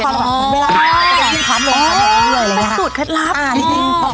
แล้วก็เราแบบเวลาทำจิ้มคล้ำลงอ๋อมันสูดเคล็ดลับอ่านี่จริง